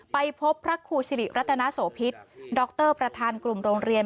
ไปพบพระครูสิริรัตนโสพิษดรประธานกลุ่มโรงเรียน